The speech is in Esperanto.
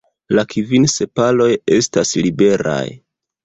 La kvin sepaloj estas liberaj.